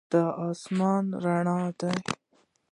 دا آسمان رڼا لري.